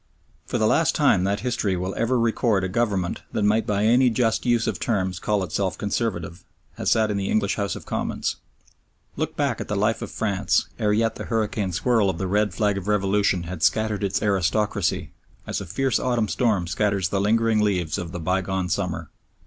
For the last time that history will ever record a government that might by any just use of terms call itself "Conservative" has sat in the English House of Commons. Look back at the life of France ere yet the hurricane swirl of the red flag of revolution had scattered its aristocracy as a fierce autumn storm scatters the lingering leaves of the bygone summer.